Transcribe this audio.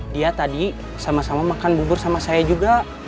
dia tadi sama sama makan bubur sama saya juga